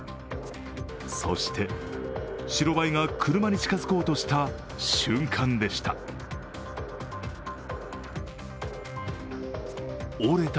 そして、白バイが車に近づこうとした瞬間でした。